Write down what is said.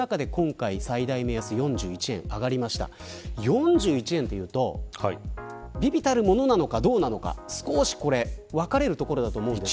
４１円というと微々たるものなのかどうなのか少し分かれるところだと思うんですが。